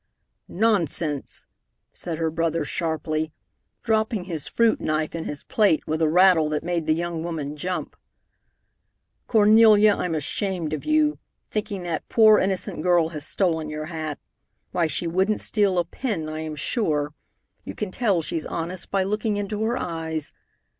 "Nonsense!" said her brother sharply, dropping his fruit knife in his plate with a rattle that made the young woman jump. "Cornelia, I'm ashamed of you, thinking that poor, innocent girl has stolen your hat. Why, she wouldn't steal a pin, I am sure. You can tell she's honest by looking into her eyes.